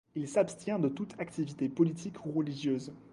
Il s'abstient de toute activité politique ou religieuse.